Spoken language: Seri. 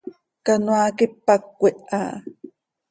Canoaa quipac cöquiha ha.